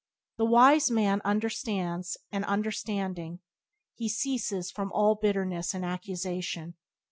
The wise man understands and understanding, he ceases from all bitterness and accusation.